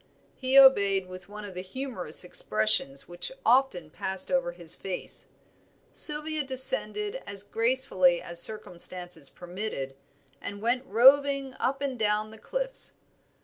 He obeyed with one of the humorous expressions which often passed over his face. Sylvia descended as gracefully as circumstances permitted, and went roving up and down the cliffs.